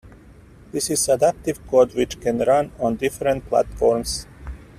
This is adaptive code which can run on different platforms.